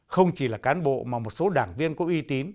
không chỉ là cán bộ mà một số đảng viên có uy tín